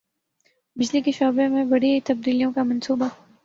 بجلی کے شعبے میں بڑی تبدیلوں کا منصوبہ